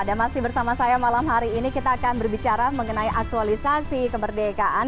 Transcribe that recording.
dan masih bersama saya malam hari ini kita akan berbicara mengenai aktualisasi kemerdekaan